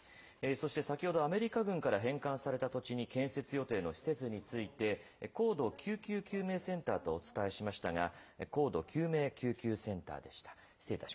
そして先ほど、アメリカ軍から返還された土地に建設予定の施設について、高度救急救命センターとお伝えしましたが、高度救命救急センターでした。